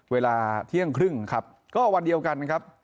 เวลาเที่ยงครึ่งครับก็วันเดียวกันครับ